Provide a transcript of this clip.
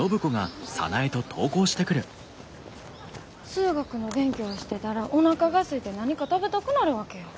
数学の勉強してたらおなかがすいて何か食べたくなるわけよ。